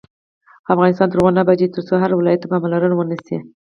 افغانستان تر هغو نه ابادیږي، ترڅو هر ولایت ته پاملرنه ونشي.